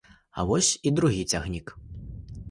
А вось і другі цягнік.